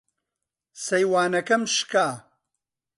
سەیوانەکەم شکا.